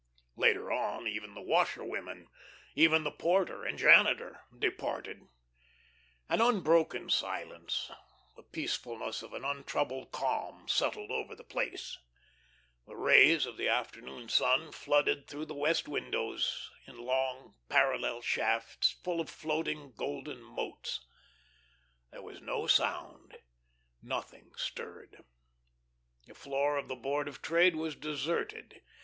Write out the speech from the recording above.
Later on even the washerwomen, even the porter and janitor, departed. An unbroken silence, the peacefulness of an untroubled calm, settled over the place. The rays of the afternoon sun flooded through the west windows in long parallel shafts full of floating golden motes. There was no sound; nothing stirred. The floor of the Board of Trade was deserted.